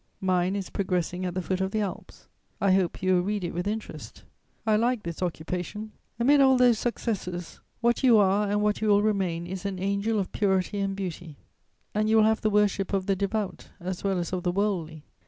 Mine is progressing at the foot of the Alps. I hope you will read it with interest. I like this occupation. ................... "Amid all those successes, what you are and what you will remain is an angel of purity and beauty, and you will have the worship of the devout as well as of the worldly....